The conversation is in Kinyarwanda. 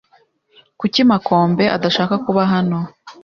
Kuki Makombe adashaka kuba hano?